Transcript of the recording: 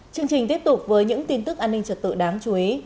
chương trình tiếp tục với những tin tức an ninh trật tự đáng chú ý